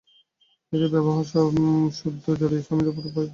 এদের ব্যবহারে সবসুদ্ধ জড়িয়ে স্বামীর উপর ওর ভয় ধরে গেছে।